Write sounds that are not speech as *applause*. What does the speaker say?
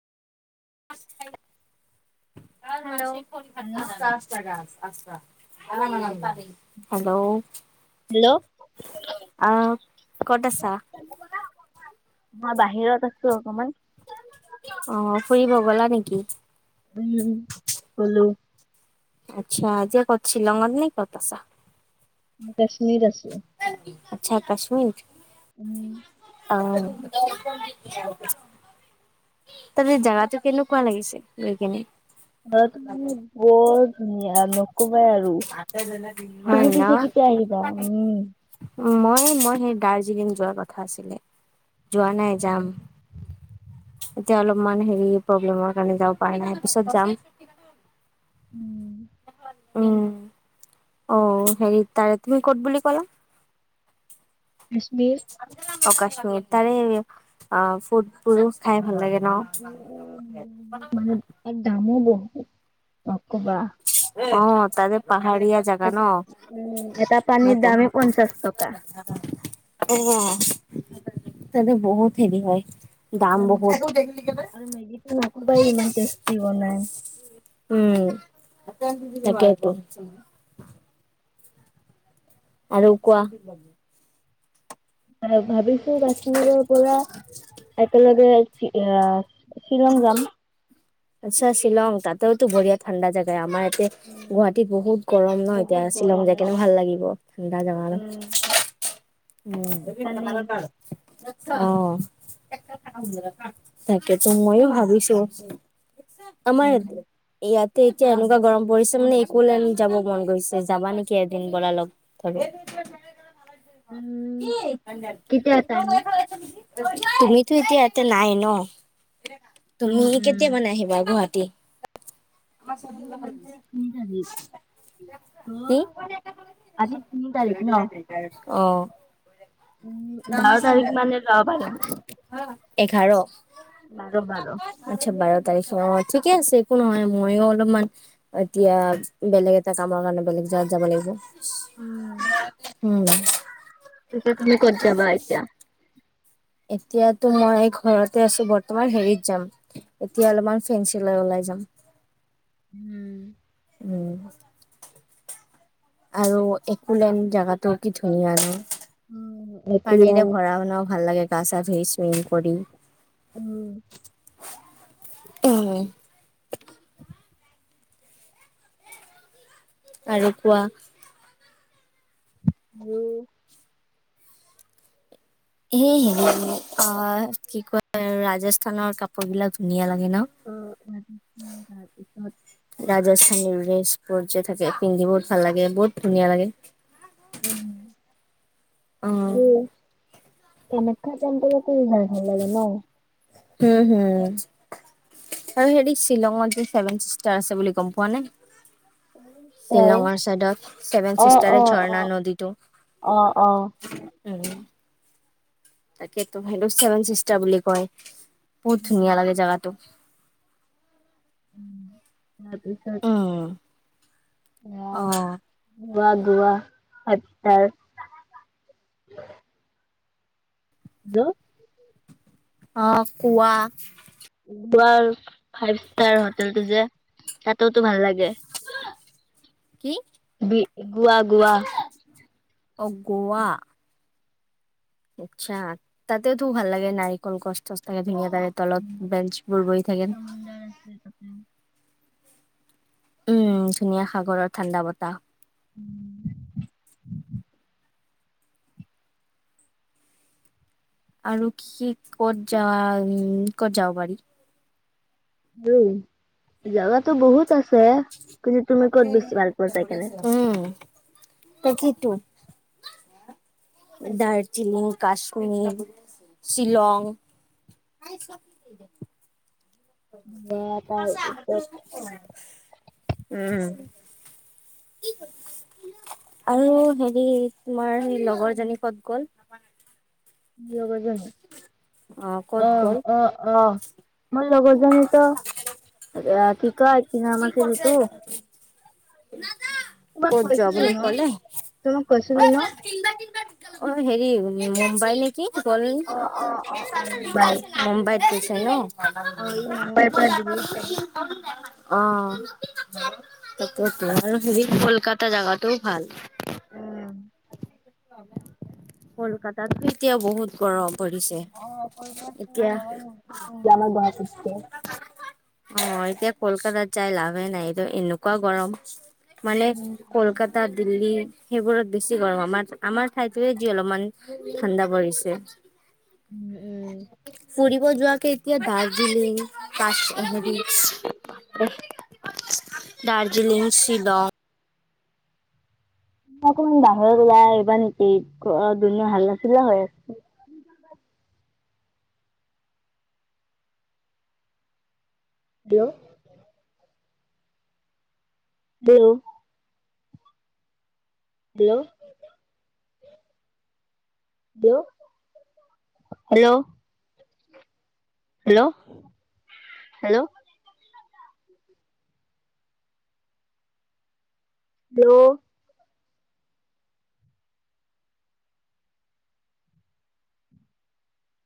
Hello. *unintelligible* Hello. আছে আছ hello hello আহ কত আছা মই বাহিৰত আছো অকমান অ', ফুৰিব গলা নেকি? উম, গ'লো। আচ্ছা আজিয়া কত শ্বিলঙত নাই কত আছা *unintelligible* সিৰ আছে আচ্ছা কাশ্মীৰ উম। অ', তা জাগাটো কেনেকুৱা লাগিছে লৈ কেনে? অ', ত মানে বত আৰু ন কবাই আৰু হয় তুমি ন পিছে কেতিয়া আহিবা? উম। মই মই সেই দাৰ্জিলিং যোৱাৰ কথা আছিলে যোৱা নাই যাম এতিয়া অলপমান হেৰি প্ৰব্লেমৰ কাৰণে যাব পৰা নাই পিছত যাম। উম। অ'। উম অ', হেৰি তাৰে তুমি ক'ত বুলি ক'লা? কাশ্মীৰ অ কশ্মীৰ তাৰে অ ফুডবোৰো খাই ভাল লাগে ন বুত মানে এক দামো বু *inaudible* অ তাৰে পাহাৰীয়া জাগা উম ন এটা পানীৰ মতে দামেই পঞ্চাশ টকা। অ ততে বহুত হেৰি হয় দাম উম, বহুত আৰু মেগীটো নকবাই ইমান টেষ্টি বনাই। উম, *unintelligible* আৰুকোৱা *inaudible* কাশ্মীৰৰ পৰা *unintelligible* আহ শ্বিলং যাম আচ্ছা শ্বিলং তাত তো ব়িয় ঠাণ্ডা জগায় আাৰ এ, গুৱাহাটীত বহুত গৰম ন এতিয়া, বহুত শ্বিলং গৰম যায় ন কেনে ভাল লাগিব। ঠাণ্ডা জাগা ন? উম, উম সেইকাৰণেই। অ', তাকেতো ময়ো ভাবিছোঁ। উম, আমাৰতি ইয় তে এতিয়া এনেকুৱা গৰম পৰিছে মানে একো লাই যাব মন গৈছে যাবা নেকি এদিন বল অলপ ধৰ উম কেতিয়া টাইম? তুমিতো ইতিয়া এ তে নাই ন? উম, তুমি উম, কেতিয়া মানে আহিবা গুৱাহাটী? আজি কিমান তাৰিখ? তিনি তাৰিখ। ত' আজি তিনি অ' উ, বাৰ তাৰিখ মানে যাব পাৰিম। এঘাৰ বাৰ-বাৰ। তাছত, ঠিকে আছে একো নহয় মইো অলপমান এতিয়া বেলেগ এটা কামৰ কাৰণে বেলেগ জগাত যাব লাগিব উম, উম তিয়া তুমি ক'ত যাবা এতিয়া এতিয়াতো মই ঘৰতে আছো বৰ্তমান হেৰিত যাম এতিয়া অলপমান ফেঞ্চৈ ওলাই যাম *unintelligible* উ আৰু একো লেন জোগাতটো কি ধুনীয়া আৰু পানীৰে একলেণ্ড ভৰা শুনাও ভাল লাগে *unintelligible* চুইং কৰি উম, অ আৰু কোৱা *unintelligible* এ হে অ কি কয় ৰাজস্থানৰ কাপোৰ বিলাক ধুনীয়া লাগে ন আহ, ৰাজস্থান, তাৰপিছত ৰাজ *unintelligible* থাকে পিন্ধি বুত ভাল লাগে বহুত ধুনীয়া লাগে উম *unintelligible* অ', তেনেখ্যা কেন্ত *unintelligible* ভাল লাগে ন? উম হম আৰু হেৰি শ্বিলংত যে চছেভেন চষ্টাৰ আছে বুলি গম পোৱা নে তাৰ শ্বিলঙৰ চাইডত ছেভেন অ', চিষ্টাৰ অ', ঝৰ্ণা অ', নদীটো অ', অ'। উম। তাকেতো সিটোক চেভেন চিষ্টা বুলি কয়। বহুত ধুনীয়া উম, লাগে জাগাটো। উম ত তছা *inaudible* আহ গোৱা গোৱা *unintelligible* *unintelligible* অ' কোৱা? গ ফাইভ ষ্টাৰ হোটেলটো যে তাতোতো ভাল লাগে কি বি গোৱা গোৱা। অ' গোৱা। আচ্ছা। তাতেওতো ভাল লাগে নাৰিকল গছ ঠছ তে ধেঙীয়া তালাৰে তলত বেঞ্চ বোৰ বহ থাকে সমুন্দৰ আছে তাতে উম, ধুনীয়া সাগৰৰ ঠাণ্ডা বতাহ। উম আৰু কি কি ক'ত যোৱাা উ ক'ত যাব পাৰি *unintelligible* জাগাটো বহুত আছে কিন্তু তুমি ক'ত বেছি ভাল পোৱা যাই কেনে উম তাকেইতো, দাৰ্জিলিং, কাশ্মীৰ, শ্বিলং বেয়া তাৰপিছত উম আৰু হেৰি তোমাৰ সেই লগৰ জনী ক'ত গ'ল? লগৰ জনী, ক'ত অ', গ'ল? অ', অ'। অ', মোৰ লগৰজনী তো, আ কি কয়, কি নাম আছিল এইটো? ক'ত যোৱা বুলি ক'লে। তোমাক কৈছিলো ন অ', হেৰি মুম্বাইল কি গ'ল, অ অ অ অ বাই মুম্বাইত গৈছ হেল্ল' অ ই মুম্বাইৰ পৰা দিল্লীত যাব। অ', তাকেটো আৰু হেৰি কলকাতা জাগাটোও ভাল। কলকাতাতো এতিয়া বহুত গৰম। পৰিছে। অ', কলকাতা এতিয়া গৰমে, আমাৰ গুৱাহাটীতকে। অ', এতিয়া কলকাতাত যাই লাভে নাই, এদ এনেকুৱা গৰম। মানে কলকাতা, দিল্লী সেইবোৰত বেছি গৰম, আমাৰ আমাৰ ঠাইতোৱে যি অলপমান ঠাণ্ডা পৰিছে উম উম। ফুৰিব যোৱা কেইট তিয়া দাৰ্জিলিং, কাচ *inaudible* দাৰ্জিলিং, শ্বিলং অকমান বাহিৰত উলাই আইবা নেকি? ঘ - দুনিয়া হাল্লাচিল্লা হৈ আছে। *unintelligible* ব'ল হেল্ল' হেল্ল'- হেল্ল' *inaudible*